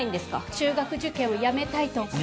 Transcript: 中学受験をやめたいと。